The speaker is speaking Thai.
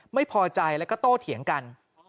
ไม่พอใจแล้วก็โตเถียงกัน